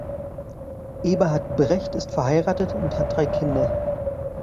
Eberhard Brecht ist verheiratet und hat drei Kinder.